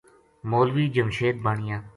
مولوی جمشید بانیا